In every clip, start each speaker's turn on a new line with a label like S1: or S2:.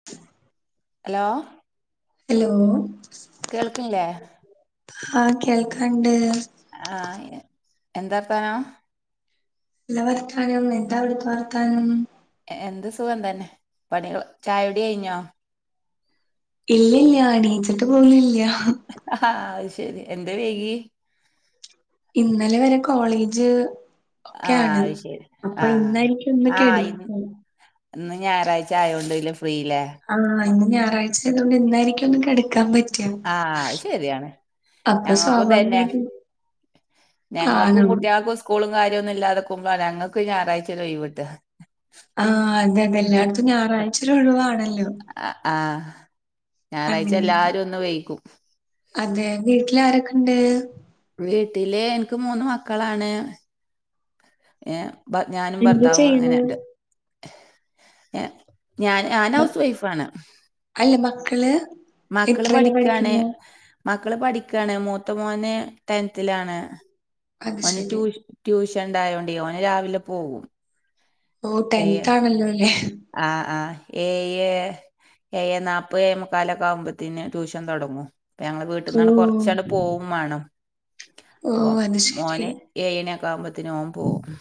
S1: [inaudible]
S2: Hello
S1: hello
S2: കേൾക്കില്ലേ
S1: ആഹ് കേൾക്കണ്ട്
S2: ആഹ് എന്താർഥാനോ
S1: എല്ല വർതാനം എന്താവിടുതെ വർത്താനം
S2: എന്ത് സുഖം തന്നെ പണിക ചായ ഒടി കഴിഞ്ഞോ
S1: ഇല്ലല്ല അടീച്ചിട്ട് പോലില്ല
S2: ആഹ് അത് ശരി എന്തേ വൈകി
S1: ഇന്നലെ വരെ കോളേജ്
S2: ആഹ്
S1: ഒക്കെയാണ്
S2: അത് ശരി
S1: അപ്പൊ
S2: ആഹ്
S1: ഇന്നായിരിക്കും ഒന്ന്
S2: ആഹ് ഇന്ന്
S1: കേടന്നെ
S2: ഇന്ന് ഞായറാഴ്ച ആയത്ണ്ട് ഇല്ല ഫ്രീല്ലേ
S1: ആഹ് ഇന്ന് ഞായറാഴ്ച ആയതോ ണ്ട് എന്നായിരിക്കും ഒന്ന് കിടക്കാൻ പറ്റും
S2: ആഹ് അത് ശരിയാണ്
S1: അപ്പൊ സ്വാഭാവികയിട്ടും
S2: ഞങ്ങക്കും കുട്ടിട്ട്യാക്കും സ് ക്കൂളും കാര്യൊന്നും ഇല്ലാതെക്കുമ്പാ ഞങ്ങക്ക് ഞായറാഴ്ച്ചോര് ഒഴിവ്ട്ടാ
S1: ആഹ് അതെ എല്ലായ്ടത്തും ഞായറാഴ്ച്ചോര് ഒഴിവാണല്ലോ
S2: ആഹ് ആഹ് ഞായറാഴ്ച
S1: അങ്ങനെ
S2: എല്ലാരോന്ന് വൈകും
S1: അതെ വീട്ടിലാരെക്കെ ഇണ്ട്
S2: വീട്ടില് എനിക്ക് മൂന്ന് മക്കളാണ് ഏഹ് ഞാനും
S1: എന്താ
S2: ഭർത്താവും
S1: ചെയ്യണെ
S2: അങ്ങനെണ്ട് ഏഹ് ഞാൻ ഞാന് ഹൗസ് വൈഫാണ്
S1: അല്ല മക്കള്
S2: മക്കള്
S1: എത്രയിലാ
S2: പഠിക്കാണ്
S1: പഠിക്കുന്നെ
S2: മക്കള് പഠിക്കാണ് മൂത്ത മോന് ടെൻത്തിലാണ്
S1: അത്
S2: ഓന്
S1: ശരി
S2: ട്യൂ ട്യൂഷൻ ഇണ്ടായോണ്ടേ ഓന് രാവിലെ പോവും
S1: ഓ ടെൻത്താണല്ലോ ല്ലേ
S2: ആഹ് ആഹ് ഏയ് ഏയെന്നാപ്പേ ഏയെമുക്കാലോക്കെ ആവുമ്പോത്തിന് ട്യൂഷൻ തോടങ്ങും ഞങ്ങളെ വീട്ട്ന്നാണ്ട്
S1: ഉം
S2: കൊറ്ച്ചാണ്ട് പോവും മാണം
S1: ഓ
S2: അപ്പൊ
S1: അത് ശരി
S2: മോന് ഏഴ്ണിക്കാവുമ്പോത്തിന് ഓൻ പോവും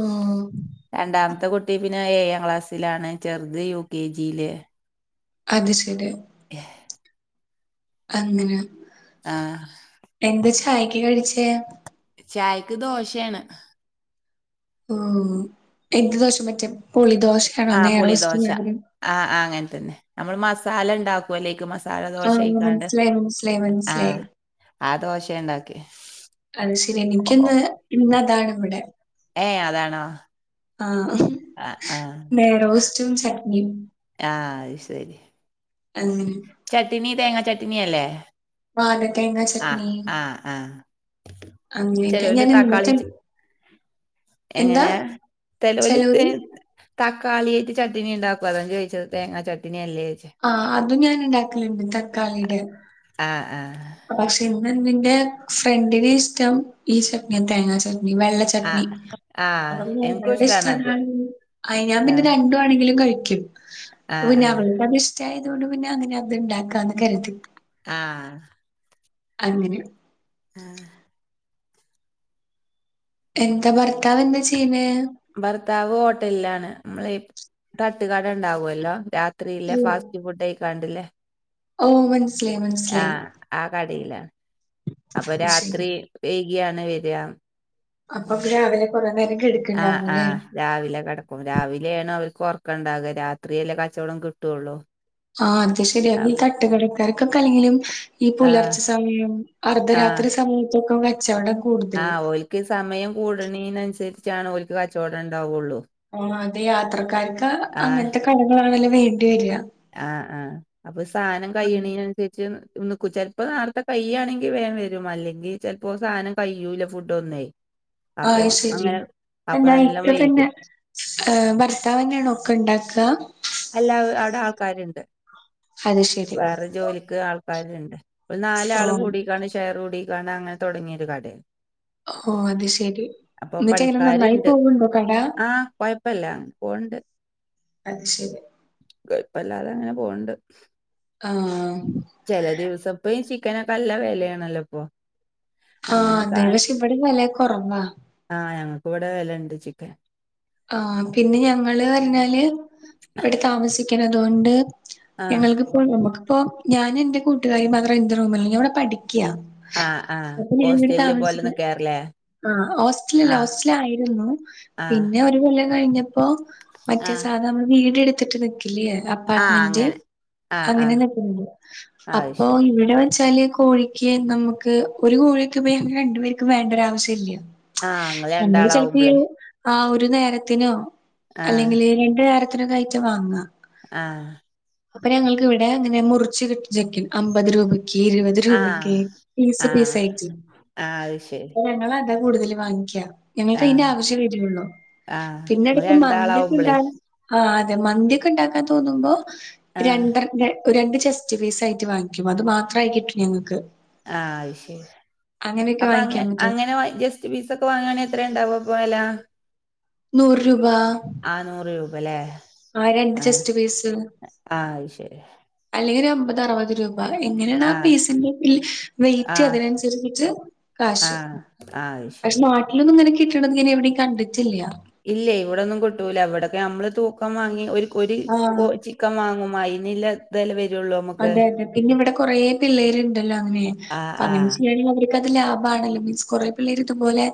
S1: ഓഹ്
S2: രണ്ടാമത്തെ കുട്ടി പിന്നെ ഏഴാം ക്ലാസ്സിലാണ് ചെറ്ത് യു കെ ജീല്
S1: അത് ശരി
S2: യാ
S1: അങ്ങനാ
S2: ആഹ്
S1: എന്തേ ചായക്ക് കഴിച്ചേ
S2: ചായക്ക് ദോശ്യാണ്
S1: ഓഹ് എഗ്ഗ് ദോശ മറ്റേ പുളി ദോശയാണോ നെഴ്റോസ്റ്റ് മാതിരി
S2: ആഹ് ആഹ് അങ്ങൻതന്നെ നമ്മള് മസാലണ്ടാ ക്കോല്ലോ അയിക്ക് മസാല
S1: ആ
S2: ദോശയിക്കാണ്ട്
S1: മനസ്സിലായി മനസ്സിലായി മനസ്സിലായി
S2: ആഹ് ആ ദോശേണ്ടാക്ക്യേ
S1: അത് ശെരി എനിക്കിന്ന് ഇന്നതാണ് ഇവടെ
S2: ഏ അതാണോ
S1: ആഹ്
S2: ആ ആ
S1: നെയ്റോസ്റ്റും ചട്നിം
S2: ആഹ് അത് ശെരി
S1: അങ്ങിനെ
S2: ചട്ട്നി തേങ്ങാ ചട്ട്ണില്ലേ
S1: വാഴത്തേങ്ങ
S2: ആഹ്
S1: ചട്നി
S2: ആഹ് ആഹ്
S1: അങ്ങനെയൊക്കെ
S2: ചെലോല്
S1: ഞാൻ
S2: തക്കാളി
S1: ഇന്നത്തെ
S2: ച
S1: എന്താ
S2: എങ്ങനെ തെലോല് തേ
S1: ചെലോര്
S2: തക്കാളിയിട്ട് ചട്ട്ണിണ്ടാക്കും അതാ ഞാൻ ചോയിച്ചത് തേങ്ങ ചട്ടണിയല്ലേയിച്ചേ
S1: ആഹ് അതും ഞാന്ണ്ടാക്കല്ണ്ട് തക്കാളിടെ
S2: ആഹ് ആഹ്
S1: പക്ഷെ ഇന്ന്തിന്റെ ഫ്രണ്ടിന് ഇഷ്ട്ടം ഈ ചട്ട്ന്യാ തേങ്ങാ ചട്ട്നി വെള്ള ച
S2: ആ
S1: ട്ട്നി
S2: ആ
S1: അപ്പൊ പിന്നെ
S2: എനിക്കും
S1: ഇവള്ടെ
S2: ഇഷ്ടാണത്.
S1: ഇഷ്ട്ടതാണെങ്കി അയ് ഞാൻ
S2: ആ
S1: പിന്നെ രണ്ടും ണെങ്കിലും കഴിക്കും
S2: ആ
S1: അപ്പൊ പിന്നെ
S2: ആ
S1: അവള്ക്കത് ഇഷ്ട്ടായത് കൊണ്ട് പിന്നെ അങ്ങനെ അത്ണ്ടാക്കാന്ന് കര്തി
S2: ആഹ്
S1: അങ്ങനെ
S2: ആഹ്
S1: എന്താ ഭർത്താവെന്താ ചെയ്യ്ന്നേ
S2: ഭർത്താവ് ഹോട്ടലിലാണ് നമ്മളെ ഈ തട്ട്കട ഇണ്ടാവൊല്ലോ രാത്രിയില് ഫാസ് റ്റ് ഫുഡായിക്കാണ്ട്ല്ലേ
S1: ഓ മനസ്സിലായി മനസ്സിലായി.
S2: ആഹ് ആ കടേലാണ് അപ്പൊ
S1: അത് ശരി.
S2: രാത്രി വൈകിയാണ് വെരാ
S1: അപ്പൊ രാവിലെ കൊറെ നേരം കെട്
S2: ആഹ് ആഹ് രാവില കടക്കും രാവിലെണ് അവര്ക്ക് ഒറക്കണ്ടാവ രാത്രിയല്ലേ കച്ചോടം കിട്ടുള്ളൂ
S1: ആഹ് അത് ശരിയാ ഈ
S2: ആഹ്
S1: കട്ട്കടക്കാർക്കൊക്കെ അല്ലെങ്കിലും ഈ
S2: ആഹ്
S1: പുലർച്ച സമയം അർദ്ധരാത്രി സമയത്തൊക്കെ കച്ചവടം കൂടുതല്.
S2: ആഹ് ഓൽക്ക് ഇ സമയം കൂടണനനുസരിച്ചാണ് ഓൽക്ക് കച്ചവടം ണ്ടാവുള്ളൂ
S1: ആഹ് അതെ യാത്രക്കാർക്ക് അങ്ങനത്തെ കടകളാണല്ലോ വേണ്ടി വരിക
S2: ആഹ് ആഹ് അപ്പൊ സാനം കഴിയണൻ നിക്കു ചെൽപ്പോ ആട്ത്തെ കയ്യാണെങ്കി വേം വരും അല്ലങ്കി ചെൽപ്പോ സാനം കയ്യൂലെ ഫുഡ്‌ന്നേ [inaudible]
S1: ആഹ് ശരി എന്താ ഇപ്പ തന്നെ
S2: വൈകും
S1: ഏ ഭർത്താവന്നേണോ ഒക്ക ഇണ്ടാക്ക
S2: അല്ല അവിടെ ആൾക്കാരുണ്ട്
S1: അത് ശരി
S2: വേറെ ജോലിക്ക് ആൾക്കാരുണ്ട്. ഒരു നാല ആള്
S1: ഓഹ്
S2: കൂടയിക്കാണ് ഷേർ കൂടീക്കാണ് അങ്ങനെ തുടങ്ങിയൊരു കടയ
S1: ഓ അത് ശരി എന്നിട്ടെങ്കിലും നന്നായി പോകുന്നുണ്ടോ കട
S2: കുഴപ്പില്ല പോണുണ്ട്
S1: അത് ശരി
S2: കുഴപ്പില്ലാതെ അങ്ങനെ പോകണ്ട്.
S1: ആ
S2: ചില ദിവസ ഇപ്പ ഈ ചിക്കനൊക്കെ നല്ല വിലയാണല്ലോ ഇപ്പൊ
S1: ആ,
S2: അങ്ങനെ
S1: അതെ പക്ഷെ ഇവിടെ വില കുറവാ
S2: ആ, ഞങ്ങൾക്ക് ഇവിടെ വിലുണ്ട് ചിക്കൻ
S1: ആ, പിന്നെ ഞങ്ങള് പറഞ്ഞാല് ഇവിടെ താമസിക്കണ അതുകൊണ്ട്
S2: ആഹ്
S1: ഞങ്ങൾക്കിപ്പോ നമ്മുക്കിപ്പോ ഞാൻ എന്റെ കൂട്ടുകാരി മാത്രം എന്ത് റൂമല്ല ഞ അവിടെ പഠിക്കയാ.
S2: ആ, ആ ഹോസ്റ്റലിലെ പോലെ നിൽക്ക കേറലെ
S1: ആ ഹോസ്റ്റലല്ല ഹോസ്റ്റൽ ആയിരുന്നു
S2: ആ
S1: പിന്നെ ഒരു കൊല്ലം കഴിഞ്ഞപ്പോ മറ്റേ
S2: ആഹ്
S1: സാധ നമ്മൾ വീട് എടുത്തിട്ട് നിക്കില്ലേ
S2: ആഹ്
S1: അപ്പാർട്ട്മെന്റ്
S2: അങ്ങനെ ആഹ് ആഹ്
S1: അങ്ങനെ
S2: അത്
S1: അപ്പോ
S2: ശരി
S1: ഇവിടെ വെച്ചാല് കോഴ നമുക്ക് ഒരു കോഴിയക്കെ ഇവിടെ രണ്ടു പേർക്കും വേണ്ട ഒരു ആവശ്യം ഇല്ല
S2: ആഹ് ഇങ്ങള്
S1: നമ്മള്
S2: രണ്ടാളാവുമ്പളേ
S1: ചിലപ്പയ്യോ ആ ഒരു നേരത്തിനോ
S2: ആഹ്
S1: അല്ലെങ്കിൽ രണ്ടു നേരത്തിനൊക്കെ അയിറ്റം വാങ്ങുക
S2: ആ
S1: അപ്പൊ ഞങ്ങൾക്കവിടെ അങ്ങനെ മുറിച്ച് കിട്ടിരിക്കും അമ്പത് രൂപയ്ക്ക് ഇരുപത്
S2: ആഹ്
S1: രൂപക്കെ പീസ് പീസായിട്ട്
S2: അ അത് ശരി
S1: അപ്പ ഞങ്ങൾ അതാ കൂടുതൽ വാങ്ങിക്കുക, ഞങ്ങൾക്ക് അതിന്റെ
S2: ആഹ്
S1: ആവശ്യമേ വീട്ടിലുള്ളു.
S2: ആഹ്
S1: പിന്നെ
S2: ഇങ്ങള്
S1: ഇടയ്ക്ക് മന്തിയക്കെ
S2: രണ്ടാളാവുമ്പളേ
S1: ഇണ്ടാക്കും ആ അതെ മന്തിയക്കെ ഉണ്ടാക്കാൻ തോന്നുമ്പോ
S2: ആഹ്
S1: രണ്ട രണ്ട് ചെസ്റ്റ് പീസ് ആയിട്ട് വാങ്ങിക്കും അത് മാത്രമായി കിട്ടും ഞങ്ങൾക്ക്.
S2: ആ ശരി
S1: അങ്ങനെയൊക്കെ
S2: അപ്പൊ അങ്ങ
S1: വാങ്ങിക്കാൻ പറ്റും.
S2: അങ്ങനെ ജസ്റ്റ് ചെസ്റ്റ് പിസ് ഒക്കെ വാങ്ങാണെ എത്രണ്ടാവും അപ്പ വിലാ
S1: നൂറ് രൂപ
S2: ആ നൂറ് രൂപ അല്ലേ
S1: ആ രണ്ട് ചെസ്റ്റ് പീസും
S2: ആഹ് അത് ശരി
S1: അല്ലെങ്കിൽ ഒരു അമ്പത് അറുപത് അ എങ്ങനെയാണ് ആ
S2: ആഹ്
S1: പീസിന്റെ വെയിറ്റ്
S2: ആഹ്
S1: അതിനനുസരിച്ചിട്ട് കാശ്.
S2: ആ ശരി
S1: പക്ഷെ നാട്ടിലൊന്നും ഇങ്ങനെ കിട്ടണെ എവിടെയും കണ്ടട്ടില്ല.
S2: ഇല്ല ഇവിടൊന്നും കിട്ടൂല അവിടൊക്കെ നമ്മള് തൂക്കം വാങ്ങി ഒരു ഒരു
S1: ആഹ്.
S2: കോഴി മാങ്ങും മായിനില്ല വില വരുള്ളു
S1: അതെ അതെ പിന്നെ ഇവിടെ കൊറേ പിള്ളേരിണ്ടല്ലോ അങ്ങനെ,
S2: ആഹ് ആഹ്
S1: [unintelligible] ഇത് ലാഭാണല്ലോ മീൻസ് കുറെ പിള്ളേർ ഇതുപോലെ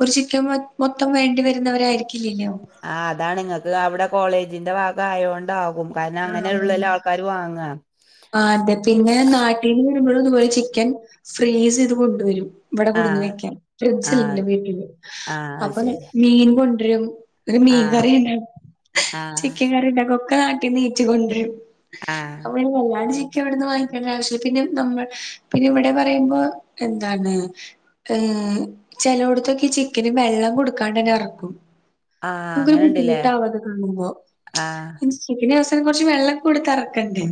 S1: ഒരു ചിക്കൻ മൊത്തം വേണ്ടി വരുന്നവരായിരിക്കില്ലല്ലോ
S2: ആ അതാണ് നിങ്ങൾക്ക് അവിടെ കോളേജിന്റെ ഭാഗ ആയണ്ടാകും കാരണം അങ്ങനെ
S1: ആ
S2: ഉള്ള ആൾക്കാര് വാങ്ങാ
S1: ആ അതെ പിന്നെ നാട്ടീന്ന് വരുമ്പ ളും ഇതുപോലെ ചിക്കൻ ഫ്രീസ് ചെയ്ത് കൊണ്ടുവരും. ഇവിടെ
S2: ആ
S1: കൊടുന്ന് വെക്കാൻ
S2: ആ
S1: ഫ്രിഡ്ജ് ഇണ്ട് വീട്ടില്
S2: ആ അത്
S1: അപ്പൊ
S2: ശരി
S1: മീൻ കൊണ്ടരും ഒരു
S2: ആ
S1: മീൻ കറി ഉണ്ടാക്കും
S2: ആ
S1: ചിക്കൻ കറി ഉണ്ടാക്കുംഒക്കെ നാട്ടിന്ന് കേറ്റി ക്കൊണ്ടരും
S2: ആ
S1: അവന് വല്ലാണ്ട് എവിടെന്ന് വാങ്ങിക്കേണ്ട ആവശ്യം പിന്നെ നമ്മൾ പിന്നെ ഇവിടെ പറയുമ്പോ എന്താണ്. ചെലോട്ത്തൊക്കെ ചിക്കന് വെള്ളം കൊടുക്കാണ്ട് തന്നെ അറക്കും.
S2: ആ
S1: നമുക്കൊരു ബുദ്ധിമുട്ടാവു അത് കാണുമ്പോ.
S2: ആഹ്
S1: സുബിന അവസാനം കൊർച്ച് വെള്ളം കൊട്ത്ത് അറക്കണ്ടെ.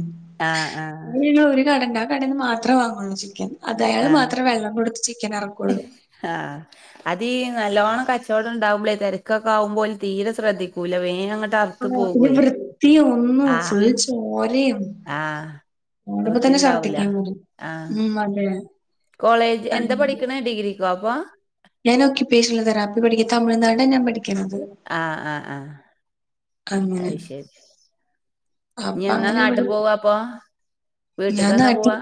S2: ആ ആ
S1: ഇഞ്ഞ് ഇനി ഒര് കടണ്ട് ആ കടെന്ന് മാത്ര വാങ്ങുള്ളൂ ചിക്കൻ. അതയാള് മാത്ര വെള്ളം കൊടുത്ത് ചിക്കൻ അറക്കൊള്ളൂ.
S2: ആഹ് അതീ നല്ലോണം കച്ചോട ഇണ്ടാവുമ്പളേ തെരക്കൊക്കെ ആവുമ്പോല് തീരെ സ്രദ്ധിക്കൂല. വേങ്ങട്ട്
S1: [unintelligible] പിന്നെ വൃത്തിയും ഒന്നു
S2: ആ
S1: ഫുൾ ചോരെയേം
S2: ആ
S1: കാണുമ്പ
S2: വൃത്തി
S1: തന്നെ
S2: ഉണ്ടാവൂല
S1: ശർദ്ധിക്കാൻ വെരും.
S2: ആ
S1: മ് അതെ
S2: കോളേജ് എന്താ പഠിക്കണ ഡിഗ്രിക്കോ അപ്പൊ?
S1: ഞാന് ഒക്കുപേഷണൽ തെറാപ്പി പഠിക്ക്. തമിഴ്നാട് ഞാൻ പഠിക്ക് ണത്.
S2: ആഹ് ആഹ് ആഹ്
S1: അങ്ങനെ
S2: അയ് ശെരി. ഇഞ്ഞ്
S1: അപ്പൊ
S2: എന്നാ
S1: അങ്ങനെ
S2: നാട്ട്
S1: ഇവിടെ
S2: പോവ് അപ്പൊ വീട്ട്ക്ക്
S1: ഞാൻ
S2: എന്നാ
S1: നാട്ടി
S2: പോവാ?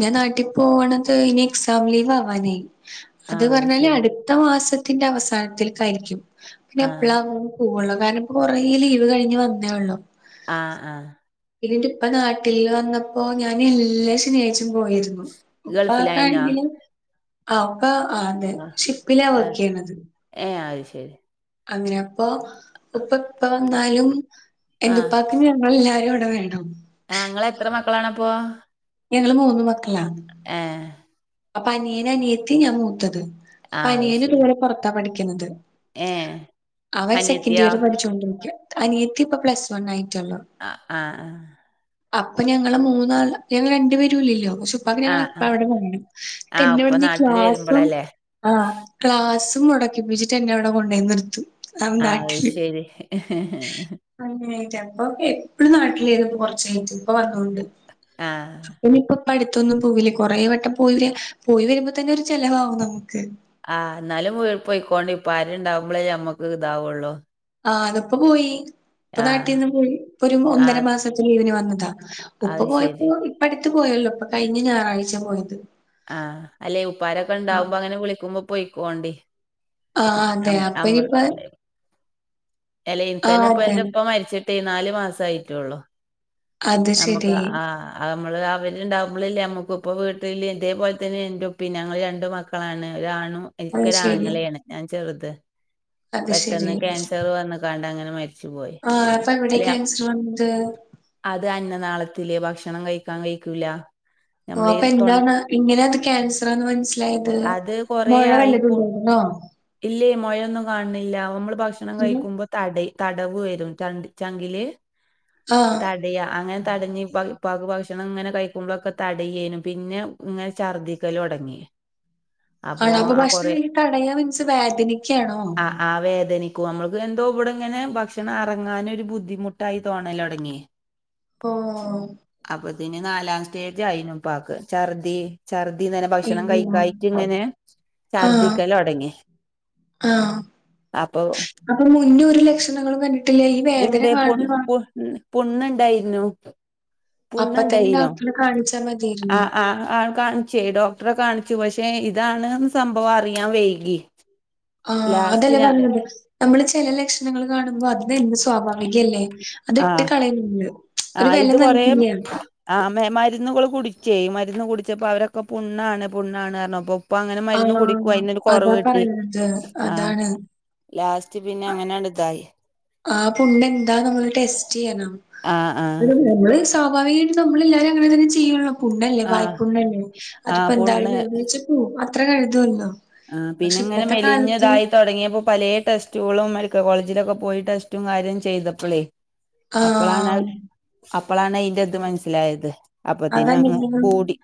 S1: ഞാൻ നാട്ടിൽ പോവ്ണത് ഇനി എക്സാം ലീവ് ആവാനായി.
S2: ആ
S1: അത് പറഞ്ഞല് അട്
S2: ശരി
S1: അടുത്ത മാസത്തിന്റെ അവസാനത്തിൽ ക്കായിരിക്കും. പിന്നെ
S2: ആ
S1: എപ്പളാ പോ പോവള്ളു കാരണം ഇപ്പ കൊറേ ലീവ് കഴിഞ്ഞ് വന്നേ ഒള്ളൂ.
S2: ആഹ് ആഹ്
S1: ഇന്നിട്ട് ഇപ്പ നാട്ടിൽ വന്നപ്പോ ഞാന് എല്ലാ ശെനിയാഴ്ച്ചം പോയിരുന്നു.
S2: ഗൾഫിലായിനോ
S1: ഇപ്പാക്കാണെങ്കില് ആപ്പ ആഹ് അതെ ഷിപ്പിലാ വർക്ക്യ്യ് ണത്.
S2: ഏഹ് അഹ് ശെരി.
S1: അങ്ങനെ അപ്പൊ ഉപ്പ എപ്പ വന്നാലും എന്റുപ്പാക്ക് ഞാൻ ഇങ്ങള് എല്ലാരും അടെ വേണം.
S2: ആ ഇങ്ങള് എത്ര മക്കളാണപ്പൊ?
S1: ഞങ്ങള് മൂന്ന് മക്കളാ.
S2: ഏഹ്
S1: അപ്പ അനിയന്, അനിയത്തി ഞാൻ മൂത്തത്. ഇപ്പ
S2: ആഹ് അത്
S1: അനിയന് ഇത്
S2: ശരി
S1: പോലെ പൊറത്ത പഠിക്ക്ന്നത്.
S2: ഏ
S1: അവൻ സെക്കൻഡ്
S2: അനിയത്തിയോ
S1: ഇയർ പഠിച്ചോണ്ടിരിക്ക അനിയത്തി ഇപ്പ പ്ലസ് വൺ ആയിട്ടള്ളു.
S2: അ ആഹ
S1: അപ്പ ഞങ്ങള് മൂന്നാള് ഞങ്ങള് രണ്ട് പേരു ഇല്ലല്ലോ പക്ഷേ ഉപ്പാക്ക് ഞങ്ങള്
S2: ആഹ് ആഹ്
S1: എപ്പളാ
S2: ആഹ്
S1: അവിടെ വേണം.
S2: ആഹ് ഉപ്പ
S1: [unintelligible]
S2: നാട്ടില്
S1: ക്ലാസും
S2: വരുമ്പളല്ലേ
S1: ആഹ് ക്ലാസ്സ് മൊടക്കിപ്പിച്ചിട്ട് എന്നെ അവിടെ കൊണ്ടേയി നിർത്തും. അത്
S2: ആഹ് ശെരി
S1: ഇപ്പ അങ്ങനായിട്ട ഇപ്പാക്ക് എപ്പളും നാട്ടിലേനു കൊർച്ചായിട്ട് ഇപ്പ വന്നോണ്ട്.
S2: ആഹ്
S1: അപ്പനി ഇപ്പ അടുത്തൊന്നും പോകില്ല കൊറേ വട്ടം പോയി വെ പോയി വെരുമ്പോ തന്നെ ഒരു ചെലവാവും നമുക്ക്.
S2: ആഹ് ഇന്നാലും വീ പോയിക്കോണ്ട് ഇപ്പാര് ഇണ്ടാവ്മ്പളെ നമ്മക്ക് ഇതാവ്ള്ളൂ.
S1: ആ അത് ഇപ്പ പോയി. ഇപ്പ
S2: ആഹ്
S1: നാട്ടിന്ന് പോയി. ഇപ്പ ഒരു ഒന്നര
S2: ആഹ്
S1: മാസത്തെ ലീവിന് വന്നത. ഉപ്പ
S2: അത് ശരി
S1: പോയപ്പോ ഇപ്പ അടുത്ത് പോയല്ലോ? ഇപ്പ കഴിഞ്ഞ ഞായറാഴ്ച പോയത്.
S2: ആഹ്, അല്ലേ ഉപ്പാരൊക്കെ ഇണ്ടാവുമ്പോ അങ്ങനെ വിളിക്കുമ്പ പൊയിക്കോണ്ടി.
S1: ആഹ് അതെ അപ്പ ഇപ്പ
S2: എല്ലെ ഇൻക്കെന്നെ ഇപ്പ
S1: അതെ.
S2: എന്റെ ഇപ്പ മരിച്ചിട്ടേ നാല് മാസ ആയിട്ടൊള്ളു.
S1: അത്
S2: നമ്മക്ക്
S1: ശരി.
S2: ആഹ് ആഹ് അഹ് അമ്മള് അവര്ണ്ടാവുമ്പളല്ലേ നമ്മുക്പ്പം വീട്ടില് ഇതേപോലെ തന്നെ ഇന്റെ ഉപിം ഞങ്ങള് രണ്ട് മക്ക ക്കളാണ് ഒരാണും
S1: അത് ശരി.
S2: എനിക്കൊരാങ്ങളെണ് ഞാൻ ചെറ്ത്
S1: അത് ശരി.
S2: പെട്ടെന്ന് ക്യാൻസർ വന്ന്ക്കാണ്ട് അങ്ങനെ മരിച്ചുപോയി
S1: ആ അപ്പൊ എവിടെ
S2: അലി അ
S1: ക്യാൻസർ വന്നത്?
S2: അത് അന്ന നാളത്തില് ഭക്ഷണം കഴിക്കാൻ കഴിക്കൂല
S1: ഓഹ്
S2: നമ്മളീ
S1: അപ്പ
S2: തൊ
S1: എന്താന്ന് ഇങ്ങനെത് ക്യാൻസറാന്ന് മൻസ്സിലായത്
S2: അത് കൊറേ
S1: മൊഴ വല്ലതും
S2: ആയിപ്പോ
S1: ഉണ്ടായിരുന്നോ?
S2: ഇല്ലേ മൊഴെന്നും കാൺണില്ല അമ്മള് ഭക്ഷണം
S1: പിന്നെ
S2: കഴിക്കുമ്പ തടയ് തടവ്വ് വെരും ചൻ ചങ്കില്
S1: ആഹ്
S2: തടയാ അങ്ങനെ തടഞ്ഞ് ഇപ്പ ഇപ്പാക്ക് ഭക്ഷണം ഇങ്ങനെ കഴിക്കുമ്പളൊക്കെ തടയേനു പിന്നെ ഇങ്ങനെ ഛർദിക്കലൊടങ്ങി
S1: ആണൊ അപ്പ ഭക്ഷണ കയ്ഞിട്ട് അടയ മിൻസ്, വേദനിക്കാണൊ?
S2: ആഹ് വേദനിക്കും ഞമ്മക്ക് എന്തോ ഇവടെ ഇങ്ങനെ ഭക്ഷണം എറങ്ങാനൊരു ബുദ്ധിമുട്ടായി തോന്നലൊടങ്ങി
S1: ഓഹ്
S2: അപ്പതിന് നാലാം സ്റ്റേജായീനു ഉപ്പാക്ക് ഛർദി ഛർദ്ദിങ്ങനെ ഭക്ഷണം
S1: അയ്യോ.
S2: കൈകായ്ട്ട്ങ്ങനെ
S1: ആ
S2: ഛർദിക്കലൊടങ്ങി
S1: ആ
S2: അപ്പൊ
S1: അപ്പൊ മുന്നെ ഒര് ലക്ഷണങ്ങളും കണ്ട്ട്ടില്ല ഈ വേദന മാത്രം
S2: ഉം പുണ്ണ്ണ്ടായ്ര്ന്നു
S1: അപ്പ തന്നെ
S2: പുണ്ണ്ണ്ടായ്നോ
S1: ഡോക്ടറെ കാണിച്ചാ മതിയായിരുന്നു.
S2: ആഹ് ആഹ് കാൺചേ ഡോക് ഡോക്ടറെ കാണിച്ചു പക്ഷേ ഇതാണ് സംഭവം അറിയാൻ വൈകി
S1: ആഹ് അതല്ലെ
S2: ലാസ്റ്റ് ഞാൻ
S1: പർഞത് നമ്മള് ചെല ലക്ഷ്ണങ്ങള് കാണ് മ്പോ അത് സ്വാഭാവികല്ലെ അത്
S2: ആ
S1: ഇട്ട് കളയരുത് ഒര്
S2: ആഹ്
S1: വെല
S2: ഇത് കൊറേ
S1: നൽകില്ല
S2: ആഹ് മരുന്നുകൾ കുടിച്ചെ മരുന്ന് കുടിച്ചപ്പൊ അവരൊക്കെ പുണ്ണാണ് പുണ്ണാണ് അർഞപ്പം പ്പങ്ങനെ മരുന്ന് കുടിക്കും
S1: ആഹ്
S2: അയ്നൊര്
S1: അതാ
S2: കൊറവ് കിട്ടി
S1: പറയണത്.
S2: ആഹ്
S1: അതാണ്.
S2: ലാസ്റ്റ് പിന്നെ അങ്ങനണ്ട്തായി
S1: ആഹ് പുണ്ണെന്താ നമ്മള് ടെസ്റ്റിയ്യണം
S2: ആഹ് ആഹ്
S1: [unintelligible] അമ്മള് സ്വാഭാവികായിട്ടും നമ്മളെല്ലാരും അങ്ങനെന്നെ ചേയ്യൊള്ളു പുണ്ണല്ലെ
S2: ആഹ്
S1: വായ്പുണ്ണല്ലെ
S2: ആഹ്
S1: അതിപ്പൊ
S2: പുണ്ണ്
S1: എന്തായാലും [unintelligible] അത്രെ കര്തൊള്ളു
S2: ആഹ് പിന്നെങ്ങനെ മെലിഞ്ഞ്തായി തൊടങ്ങീയപ്പൊ പലേ ടെസ്റ്റ്കളും മെഡിക്കൽ കോളേജിലൊക്കെ പോയി ടെസ്റ്റും കാര്യം ചെയ്തപ്പളെ അപ്പളാണ്
S1: ആഹ്
S2: അപ്പളാണയ്ന്റെത് മനസ്സിലായത് അപ്പതിന് അങ്ങ്
S1: അതല്ലെങ്കിലും
S2: കൂടി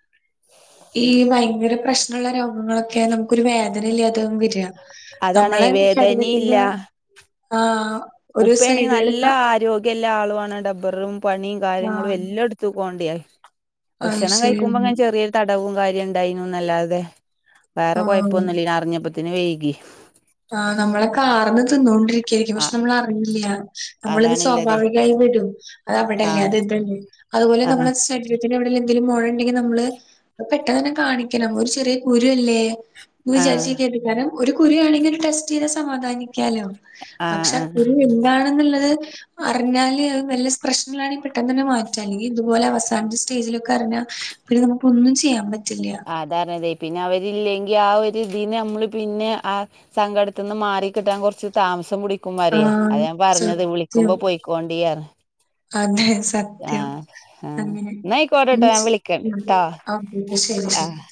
S1: ഈ ഭയങ്കര പ്രശ്നൊള്ള രോഗങ്ങളൊക്കെ നമ്മക്കൊരു വേദന ഇല്ലാതാവും വെരാ
S2: അതാണേ
S1: നമ്മളെ ശരീരത്തിന്റെ ആഹ് ഒരു
S2: ഉപ്പ ആണെങ്കി
S1: സൈഡുകള്
S2: നല്ല
S1: ക
S2: ആരോഗ്യള്ളെ ആളുണ് ടബ്ബർലും പണിം കാര്യങ്ങളും
S1: ആഹ്
S2: എല്ലട് തുകോണ്ടെ
S1: അത്
S2: ഭക്ഷണം
S1: ശരി.
S2: കഴിക്കുമ്പങ്ങനെ ചെർ തടവും കാര്യം ഇണ്ടായ്നുന്നല്ലാതെ വേറെ
S1: ആഹ്
S2: കൊഴ്പ്പൊന്നുല്ലെനി അർഞ്ഞപ്പോത്തിന് വൈകി
S1: ആഹ് നമ്മളെ കാർന്ന് തിന്നോണ്ടിരി [unintelligible]
S2: ആ
S1: പക്ഷേ നമ്മളർഞ്ട്ടില്ല നമ്മളിത്
S2: അതാണ്ള്ളത്
S1: സ്വാഭാവികയ്ട്ട് വെരും അത് അവിടല്ല
S2: ആഹ്
S1: അത് ഇതല്ലെ അത്പോലെ
S2: ആഹ്
S1: നമ്മളെ സെ ശരീരത്തിന് എവിടെലും എന്തെങ്കിലും മൊഴ ഇണ്ടെങ്കില് നമ്മള് പെട്ടെന്ന് തന്നെ കാണിക്കണം ഒരു ചെറീ കുരു ല്ലെ
S2: ആഹ്
S1: വിചാരിച്ചിരിക്കരുത് കാരണം ഒര് കുരു ആണെങ്കി ഒരു ടെസ്റ്റ്യ്താ സമാധാനി ക്കാലൊ പക്ഷെ ആഹ് കുരു എന്താണ് ന്ന്ള്ളത് അർഞ്ഞാല് അത് പ്രശ്നള്ളാണെങ്കി പെട്ടെന്നനെ മാറും മറ്റെ അല്ലെങ്കി ഇത്പോലെ അവസാനെത്തെ സ്റ്റേജ്ലൊക്കെ അറിഞ്ഞാ പിന്നെ നമുക്ക് ഒന്നും ചേയ്യാൻ പറ്റില്ല
S2: അതാർഞ്ഞതെ പിന്നവരില്ലെങ്കി ആഹ് ഒര് ഇതിനെ അമ്മള് പിന്നെ ആഹ്. സങ്കട്ത്ത്ന്ന് മാറി കിട്ടാൻ കൊർച്ച് താമസം പുടി ക്കുംമ്മറിയ
S1: ആഹ്
S2: അതഞാൻ പർഞ്ഞത്
S1: സത്യം.
S2: വിളിക്കുമ്പൊ പൊയ്ക്കോണ്ടീ
S1: അതെ സ ത്യം
S2: ആഹ്
S1: അങ്ങനെ
S2: ന്നാ അയ്ക്കോട്ടെട്ടോ ഞാൻ വിളിക്കണ്ട് ട്ടോ ആഹ്
S1: [unintelligible]